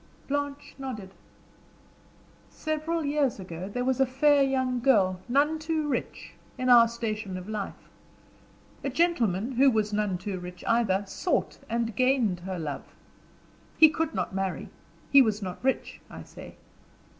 Blanche nodded. "Several years ago there was a fair young girl, none too rich, in our station of life. A gentleman, who was none too rich either, sought and gained her love. He could not marry; he was not rich, I say.